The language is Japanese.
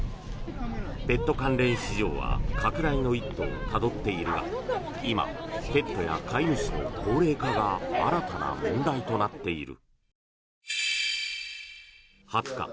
ペット関連市場は拡大の一致をたどっているが今、ペットや飼い主の高齢化が新たな問題となっている。